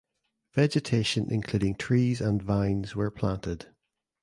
Vegetation including trees and vines were planted.